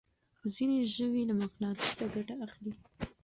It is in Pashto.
ځينې ژوي له مقناطيسه ګټه اخلي.